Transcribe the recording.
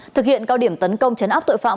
thực hiện cao điểm tấn công chấn áp tội phạm